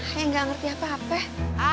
kayaknya gak ngerti apa apa ya